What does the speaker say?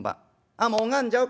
ああもう拝んじゃう！